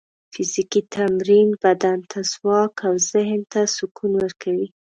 فزیکي تمرین بدن ته ځواک او ذهن ته سکون ورکوي.